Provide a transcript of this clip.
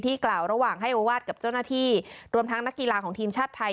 กล่าวระหว่างให้โอวาสกับเจ้าหน้าที่รวมทั้งนักกีฬาของทีมชาติไทย